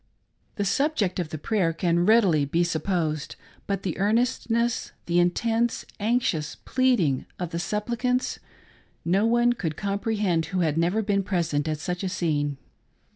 The subject of the prayer can readily be supposed ; but the earnestness — the intense, anxious, pleading of the supplicants — no one could comprehend who had never been present at such a scene.